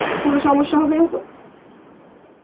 কোনো সমস্যা হবে না তো?